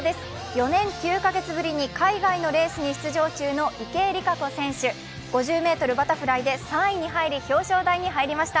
４年９か月ぶりに海外のレースに出場中の池江璃花子選手、５０ｍバタフライで３位に入り表彰台に入りました。